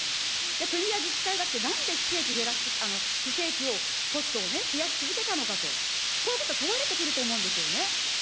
国や自治体だって、なんで非正規を、ポストを増やし続けたのか、こういうこと問われてくると思うんですよね。